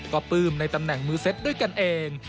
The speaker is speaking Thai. ก็ปลื้มในตำแหน่งมือเซ็ตด้วยกันเอง